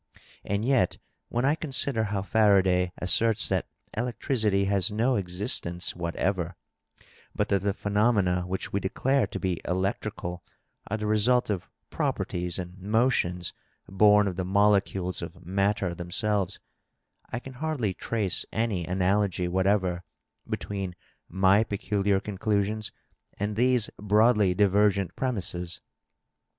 And yet when I consider how Faraday asserts that elec tricity has no existence whatever, but that the phenomena which we declare to be electrical are the result of properties and motions bom of the molecules of matter themselves, I can hardly trace any analogy whatever between my peculiar conclusions and these broadly divergent premises.